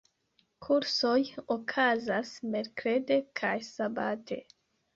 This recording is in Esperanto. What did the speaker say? Kursoj okazas merkrede kaj sabate.